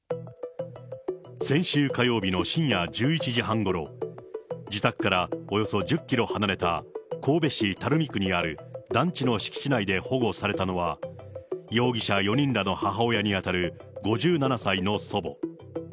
先週火曜日の深夜１１時半ごろ、自宅からおよそ１０キロ離れた神戸市垂水区にある団地の敷地内で保護されたのは、容疑者４人らの母親に当たる５７歳の祖母。